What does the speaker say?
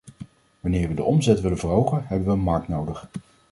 Wanneer we de omzet willen verhogen, hebben we een markt nodig.